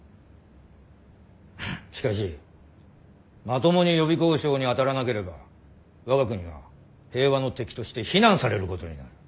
しかしまともに予備交渉に当たらなければ我が国が平和の敵として非難されることになる。